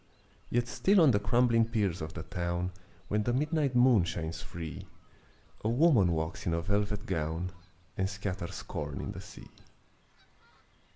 Yet still on the crumbling piers of the town, When the midnight moon shines free, A woman walks in a velvet gown And scatters corn in the sea.